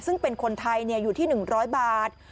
ซึ่งเป็นคนไทยเนี่ยอยู่ที่หนึ่งร้อยบาท